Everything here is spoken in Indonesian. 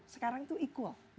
sekarang itu equal